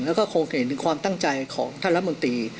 แล้วก็คงเห็นถึงความตั้งใจของท่านรัฐมนตรี